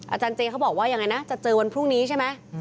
อาจารย์เจเขาบอกว่ายังไงนะจะเจอวันพรุ่งนี้ใช่ไหม